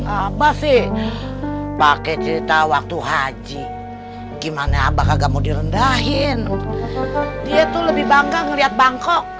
apa sih pakai cerita waktu haji gimana bakal kamu direndahin dia tuh lebih bangga ngeliat bangkok